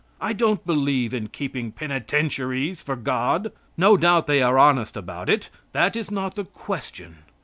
I don't believe in keeping penitentiaries for God. No doubt they are honest about it. That is not the question.